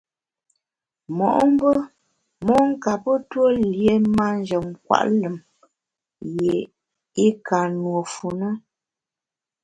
Mo’mbe mon kape tue lié manjem nkwet lùm yié i ka nùe fu na.